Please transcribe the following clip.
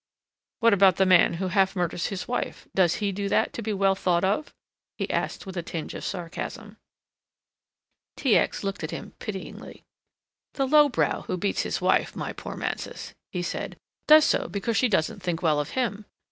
"What about the man who half murders his wife, does he do that to be well thought of?" he asked, with a tinge of sarcasm. T. X. looked at him pityingly. "The low brow who beats his wife, my poor Mansus," he said, "does so because she doesn't think well of him.